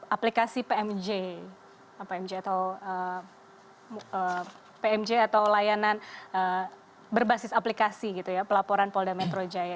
aplikasi pmj pmjt atau layanan berbasis aplikasi gitu ya pelaporan polda metro jaya